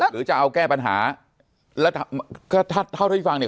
หรือจะเอาแก้ปัญหาแล้วก็ถ้าเท่าที่ฟังเนี่ย